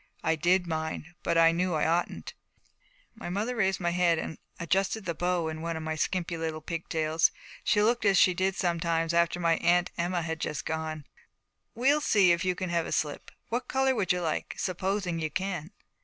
I did mind, but I knew I oughtn't. My mother raised my head and adjusted the bow on one of my skimpy little pigtails. She looked as she did sometimes after my Aunt Emma had just gone. 'We'll see if you can have a slip. What color would you like supposing you can?'